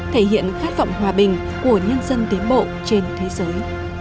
thể hiện khát vọng hòa bình của nhân dân tiến bộ trên thế giới